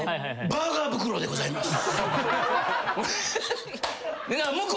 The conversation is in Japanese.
バーガー袋でございます」